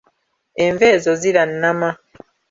Enva ezo zirannama.